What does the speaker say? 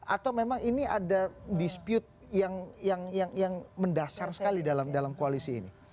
atau memang ini ada dispute yang mendasar sekali dalam koalisi ini